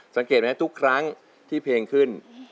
สังเกตไหมทุกครั้งที่เพลงขึ้น